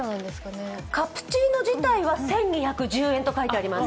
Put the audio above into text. カプチーノ自体は１２１０円と書いてあります。